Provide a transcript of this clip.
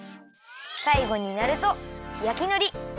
さいごになるとやきのり